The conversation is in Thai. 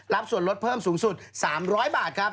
ส่วนลดเพิ่มสูงสุด๓๐๐บาทครับ